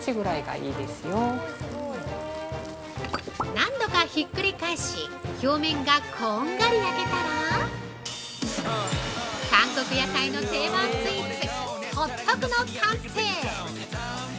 何度かひっくり返し表面がこんがり焼けたら韓国屋台の定番スイーツホットクの完成！